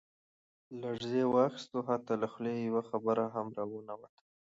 لړزې واخستو حتا له خولې يې يوه خبره هم را ونوته.